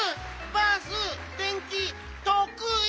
バースでんきとくい！